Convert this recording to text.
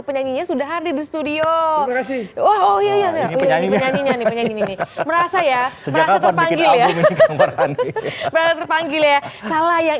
penyanyinya sudah hari di studio oh ya ini penyanyi merasa ya terpanggil ya salah yang